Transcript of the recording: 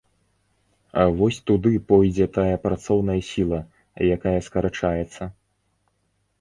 Вось туды пойдзе тая працоўная сіла, якая скарачаецца.